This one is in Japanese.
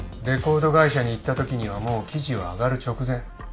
レコード会社に行ったときにはもう記事は上がる直前。